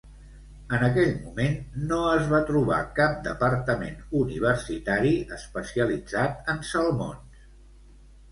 En aquell moment no es va trobar cap departament universitari especialitzat en salmons.